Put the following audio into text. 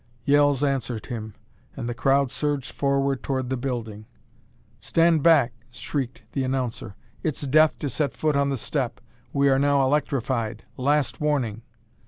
Yells answered him, and the crowd surged forward toward the building. "Stand back!" shrieked the announcer. "It's death to set foot on the step. We are now electrified. Last warning!"